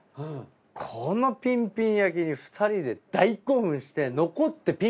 このピンピン焼きに２人で大興奮して。